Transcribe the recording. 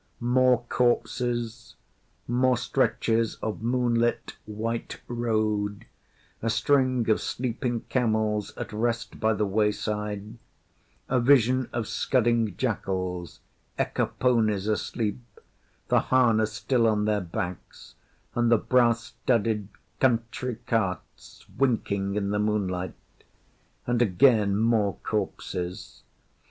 More corpses; more stretches of moonlit, white road, a string of sleeping camels at rest by the wayside; a vision of scudding jackals; ekka ponies asleep the harness still on their backs, and the brass studded country carts, winking in the moonlight and again more corpses.